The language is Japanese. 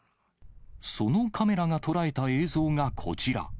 そのカメラが捉えた映像がこちら。